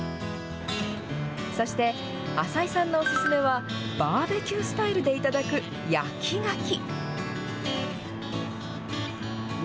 そして、浅井さんのお勧めは、バーベキュースタイルで頂く焼きガキ。